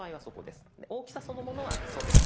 で大きさそのものはそうです。